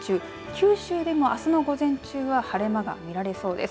九州でもあすの午前中は晴れ間が見られそうです。